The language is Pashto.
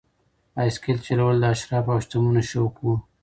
بایسکل چلول د اشرافو او شتمنو شوق و.